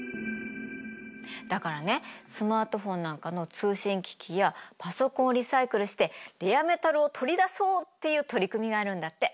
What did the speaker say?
だからねスマートフォンなんかの通信機器やパソコンをリサイクルしてレアメタルを取り出そうっていう取り組みがあるんだって。